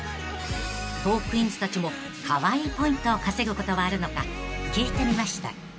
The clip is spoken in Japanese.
［トークィーンズたちもかわいいポイントを稼ぐことはあるのか聞いてみました］